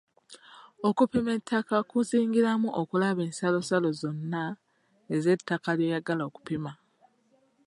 Okupima ettaka kuzingiramu okulaba ensalosalo zonna ez'ettaka ly'oyagala okupima.